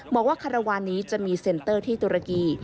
บอกว่าคารวาลนี้จะมีเซ็นเตอร์ที่ตุรกี